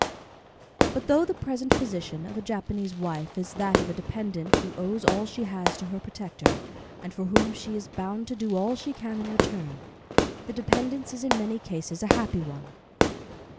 But though the present position of a Japanese wife is that of a dependent who owes all she has to her protector, and for whom she is bound to do all she can in return, the dependence is in many cases a happy one.